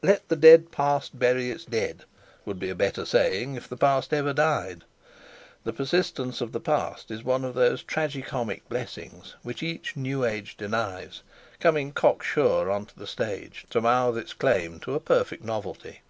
"Let the dead Past bury its dead" would be a better saying if the Past ever died. The persistence of the Past is one of those tragi comic blessings which each new age denies, coming cocksure on to the stage to mouth its claim to a perfect novelty.